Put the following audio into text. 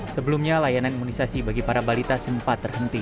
sebelumnya layanan imunisasi bagi para balita sempat terhenti